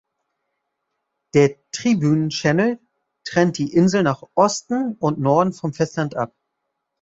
Der Tribune Channel trennt die Insel nach Osten und Norden vom Festland ab.